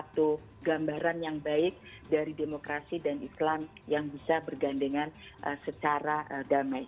dan bisa merupakan suatu gambaran yang baik dari demokrasi dan islam yang bisa bergandengan secara damai